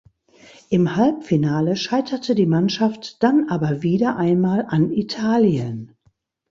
Im Halbfinale scheiterte die Mannschaft dann aber wieder einmal an Italien.